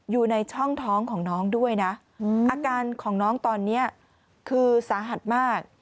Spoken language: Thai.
อยู่ในช่องท้องของน้องด้วยนะอาการของน้องตอนนี้คือสาหัสมาก